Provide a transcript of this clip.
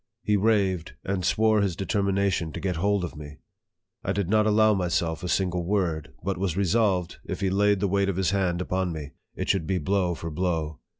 He raved, and swore his determination to get hold of me. I did not allow myself a single word ; but was resolved, if he laid the weight of his hand upon me, it should be blow for blow.